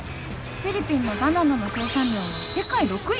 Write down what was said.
フィリピンのバナナの生産量は世界６位！？